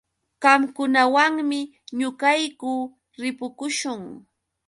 Qamkunawanmi ñuqayku ripukuśhun.